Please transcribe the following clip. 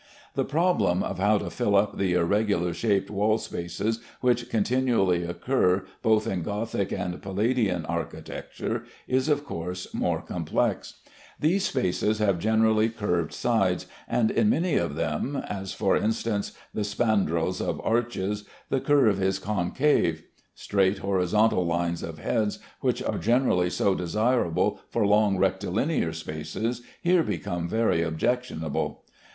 The problem of how to fill up the irregular shaped wall spaces which continually occur both in Gothic and Palladian architecture is of course more complex. These spaces have generally curved sides, and in many of them as, for instance, the spandrels of arches the curve is concave. Straight horizontal lines of heads which are generally so desirable for long rectilinear spaces here become very objectionable.